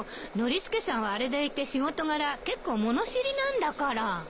ノリスケさんはあれでいて仕事柄結構物知りなんだから。